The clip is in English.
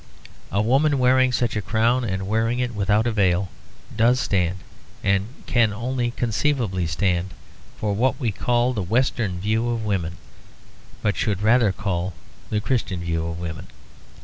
A woman wearing such a crown, and wearing it without a veil, does stand, and can only conceivably stand, for what we call the Western view of women, but should rather call the Christian view of women.